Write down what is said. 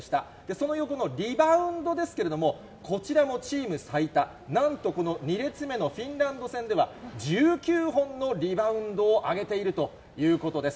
その横のリバウンドですけれども、こちらもチーム最多、なんとこの２列目のフィンランド戦では１９本のリバウンドをあげているということです。